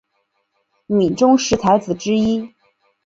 闽中十才子之一。